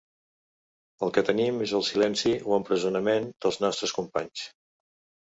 El que tenim és el silenci o empresonament dels nostres companys.